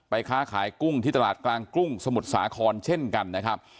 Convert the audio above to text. ค้าขายกุ้งที่ตลาดกลางกุ้งสมุทรสาครเช่นกันนะครับ